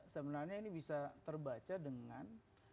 sebenarnya ini bisa terbaca dengan